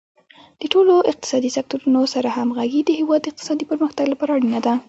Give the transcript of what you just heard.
د ټولو اقتصادي سکتورونو سره همغږي د هیواد د اقتصادي پرمختګ لپاره اړینه ده.